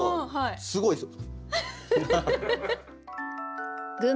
すごいですよ。